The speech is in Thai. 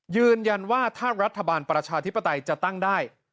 ยืนยันว่าถ้ารัฐบาลประชาธิปไตยจะตั้งได้